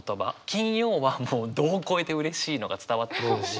金曜はもう度を超えてうれしいのが伝わってくるし。